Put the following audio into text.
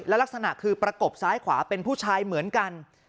ลักษณะคือประกบซ้ายขวาเป็นผู้ชายเหมือนกัน